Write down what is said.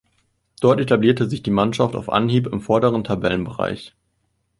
Dort etablierte sich die Mannschaft auf Anhieb im vorderen Tabellenbereich.